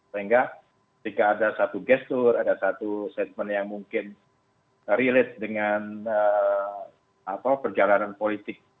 sehingga jika ada satu gestur ada satu statement yang mungkin relate dengan perjalanan politik